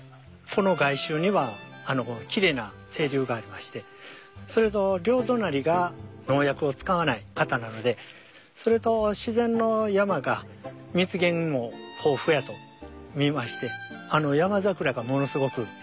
この外周にはきれいな清流がありましてそれの両隣が農薬を使わない方なのでそれと自然の山が蜜源も豊富やと見ましてあのヤマザクラがものすごく咲きます。